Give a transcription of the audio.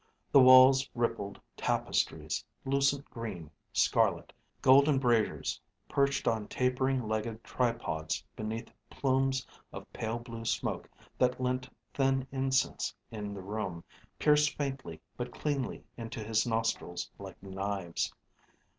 The walls rippled tapestries, lucent green, scarlet. Golden braziers perched on tapering legged tripods beneath plumes of pale blue smoke that lent thin incense in the room, pierced faintly but cleanly into his nostrils like knives.